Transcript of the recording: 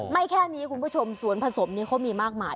แค่นี้คุณผู้ชมสวนผสมนี้เขามีมากมาย